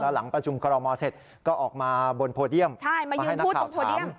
หลังประชุมคอรมอเสร็จก็ออกมาบนโพเดียมมาให้นักข่าวถาม